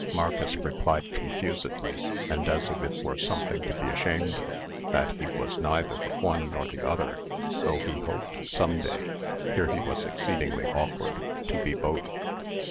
Marcus replied confusedly, and as if it were something to be ashamed of, that he was neither the one nor the other, though he hoped some day (here he was exceedingly awkward) to be both.